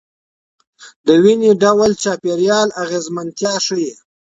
دویني ډول چاپیریال اغېزمنتیا ښيي.